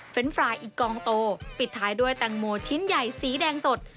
เป็นฟราอีกกองโตปิดท้ายด้วยแตงโมชิ้นใหญ่สีแดงสด